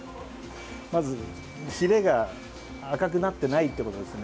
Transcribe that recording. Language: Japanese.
まず、ヒレが赤くなってないということです。